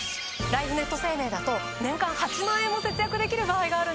ライフネット生命だと年間８万円も節約できる場合があるんですね。